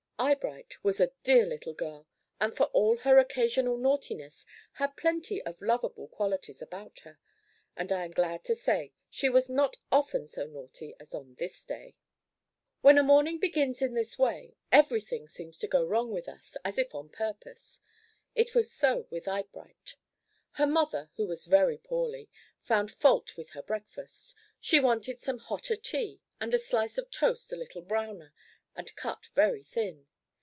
Eyebright was a dear little girl, and for all her occasional naughtiness, had plenty of lovable qualities about her; and I am glad to say she was not often so naughty as on this day. When a morning begins in this way, every thing seems to go wrong with us, as if on purpose. It was so with Eyebright. Her mother, who was very poorly, found fault with her breakfast. She wanted some hotter tea, and a slice of toast a little browner and cut very thin.